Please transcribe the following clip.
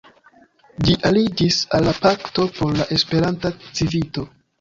Ĝi aliĝis al la Pakto por la Esperanta Civito.